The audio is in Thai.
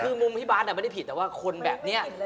คือมุมพี่บาทไม่ได้ผิดแต่ว่าคนแบบนี้